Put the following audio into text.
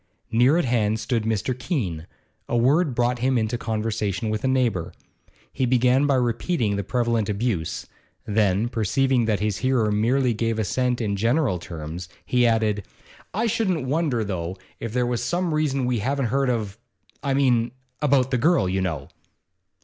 Near at hand stood Mr. Keene; a word brought him into conversation with a neighbour. He began by repeating the prevalent abuse, then, perceiving that his hearer merely gave assent in general terms, he added: 'I shouldn't wonder, though, if there was some reason we haven't heard of I mean, about the girl, you know.